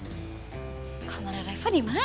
aduh kamarnya raifah dimana ya